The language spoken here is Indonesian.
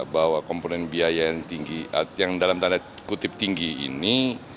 bahwa komponen biaya yang tinggi yang dalam tanda kutip tinggi ini